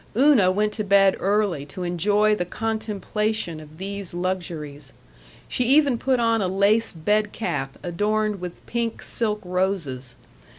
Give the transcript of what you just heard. Una went to bed early to enjoy the contemplation of these luxuries. She even put on a lace bed cap adorned with pink silk roses.